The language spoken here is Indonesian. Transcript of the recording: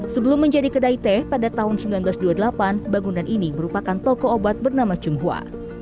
sebelum menjadi kedai teh pada tahun seribu sembilan ratus dua puluh delapan bangunan ini merupakan toko obat bernama tionghoa